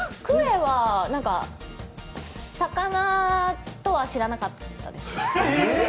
くえは何か魚とは知らなかったです。